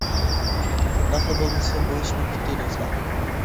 قانداقلا بولمىسۇن بۇ ئىشمۇ پۈتتى دوستلار.